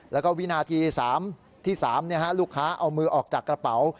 แล้วก็วินาทีที่๓ลูกค้าเอามือออกจากกระเป๋า